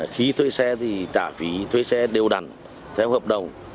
khi thuê xe thì trả phí thuê xe đều đặn theo hợp đồng